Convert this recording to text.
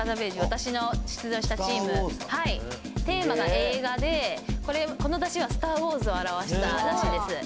私の出場したチームテーマが「映画」でこの山車は「スター・ウォーズ」を表した山車です